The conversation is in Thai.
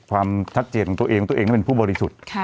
โดยความชัดเจนของตัวเองตัวเองเป็นผู้บริสุทธิ์